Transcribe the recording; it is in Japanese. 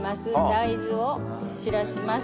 大豆を散らします。